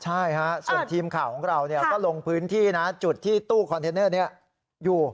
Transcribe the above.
ใช่ฮะส่วนทีมข่าวของเราก็ลงพื้นที่นะจุดที่ตู้คอนเทนเนอร์นี้อยู่